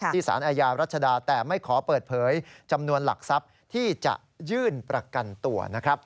สารอาญารัชดาแต่ไม่ขอเปิดเผยจำนวนหลักทรัพย์ที่จะยื่นประกันตัวนะครับ